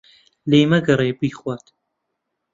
لێ مەگەڕێ بیخوات.